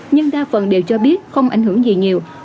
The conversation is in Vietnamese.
nhưng đa phần đều cho biết không ảnh hưởng gì nhiều